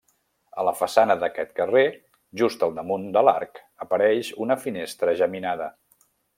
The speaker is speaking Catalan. A la façana d'aquest carrer, just al damunt de l'arc, apareix una finestra geminada.